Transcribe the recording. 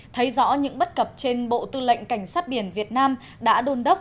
thấy rõ những bất cập trên bộ tư lệnh cảnh sát biển việt nam đã đôn đốc